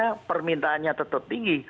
karena permintaannya tetap tinggi